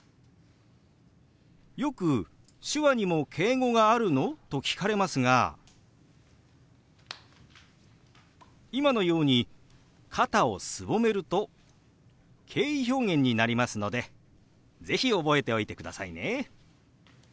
よく「手話にも敬語があるの？」と聞かれますが今のように肩をすぼめると敬意表現になりますので是非覚えておいてくださいね。